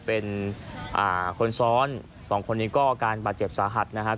เป็นคนซ้อนสองคนนี้ก็อาการบาดเจ็บสาหัสนะครับ